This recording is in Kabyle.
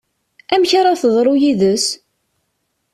Amek ara teḍru yid-s?